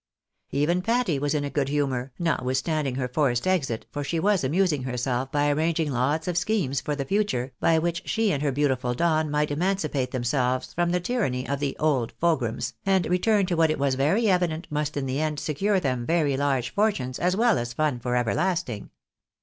Even Patty was in a good humour, notwithstanding her forced exit, for she was amusing herself by arranging lots of schemes for the future, by which she and her beautiful Don might emancipate themselves from the tyranny of the " old fogrums," and return to what it was very evident must in the end secure them very large fortunes, as well as fun for everlasting.